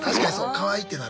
かわいいってなる。